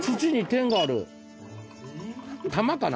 「玉」かな？